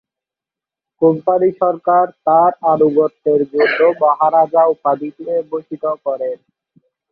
Company সরকার তার আনুগত্যের জন্য মহারাজা উপাধিতে ভূষিত করেন।